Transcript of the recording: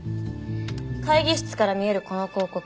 会議室から見えるこの広告。